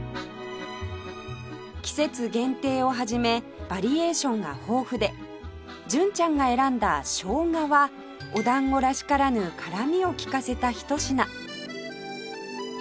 季節限定を始めバリエーションが豊富で純ちゃんが選んだ生姜はおだんごらしからぬ辛みを利かせたひと品